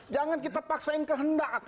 jangan kita paksain kehendak